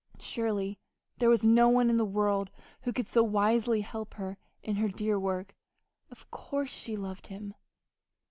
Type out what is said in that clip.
Surely there was no one in the world who could so wisely help her in her dear work. Of course she loved him!